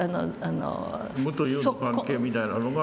無と有の関係みたいなのが。